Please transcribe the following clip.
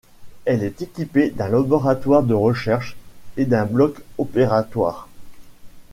Elle est équipée d'un laboratoire de recherches et d'un bloc opératoire.